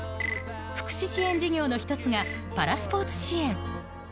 福祉支援事業の一つがパラスポーツ支援